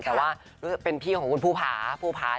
แต่ว่าเป็นพี่ของคุณภูผาภูผา